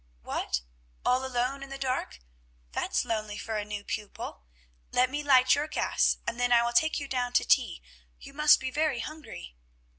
"What, all alone in the dark! That's lonely for a new pupil. Let me light your gas, and then I will take you down to tea; you must be very hungry."